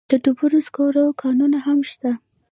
د ډبرو سکرو کانونه هم شته.